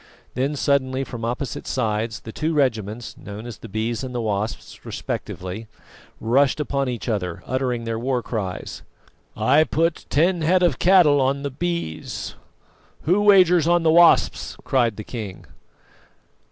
Then suddenly, from opposite sides, the two regiments, known as the Bees and the Wasps respectively, rushed upon each other, uttering their war cries. "I put ten head of cattle on the Bees; who wagers on the Wasps?" cried the king.